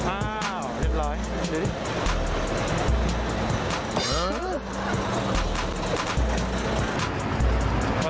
อ้าวเรียบร้อย